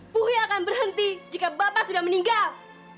puhe akan berhenti jika bapak sudah meninggal